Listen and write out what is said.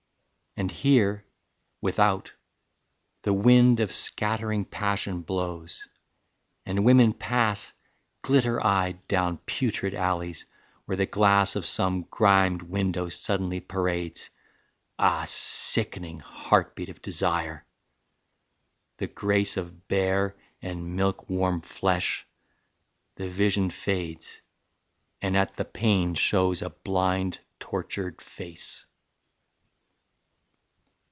And here, without, the wind Of scattering passion blows: and women pass Glitter eyed down putrid alleys where the glass Of some grimed window suddenly parades Ah, sickening heart beat of desire! the grace Of bare and milk warm flesh: the vision fades, And at the pane shows a blind tortured face."